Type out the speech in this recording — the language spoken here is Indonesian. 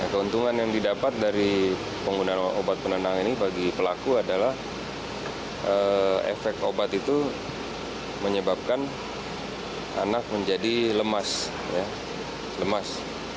keuntungan yang didapat dari penggunaan obat penenang ini bagi pelaku adalah efek obat itu menyebabkan anak menjadi lemas